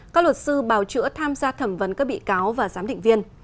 các luật sư bào chữa tham gia thẩm vấn các bị cáo và giám định viên